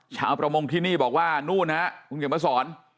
ชาวประมงที่นี่บอกว่านู้นนะครับคุณเกี่ยวมาสอน